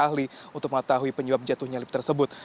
apakah mereka juga mengetahui penyebab jatuhnya lift tersebut